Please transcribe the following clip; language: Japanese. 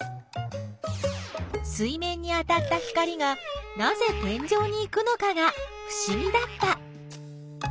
水面に当たった光がなぜ天井に行くのかがふしぎだった。